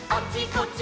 こっち！